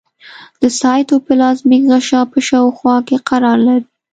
د سایتوپلازمیک غشا په شاوخوا کې قرار لري.